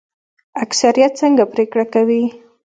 اکثریت څنګه پریکړه کوي؟